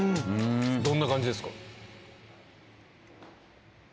どんな感じですか？